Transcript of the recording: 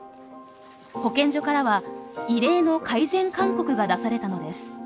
保健所からは異例の改善勧告が出されたのです。